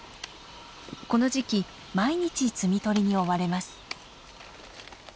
この時期毎日摘み取りに追われます。